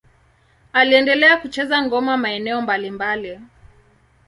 Aliendelea kucheza ngoma maeneo mbalimbali.